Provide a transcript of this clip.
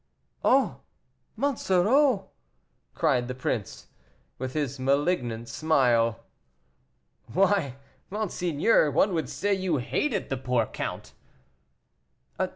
"Oh, Monsoreau!" cried the prince, with his malignant smile. "Why monseigneur, one would say you hated the poor count."